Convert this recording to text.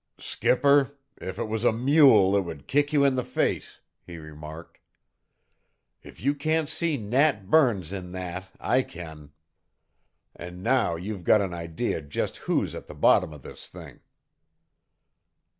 "Skipper, if it was a mule it would kick you in the face," he remarked. "If you can't see Nat Burns in that, I can. And now you've got an idea just who's at the bottom of this thing."